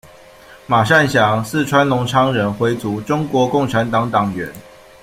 马善祥，四川隆昌人，回族，中国共产党党员。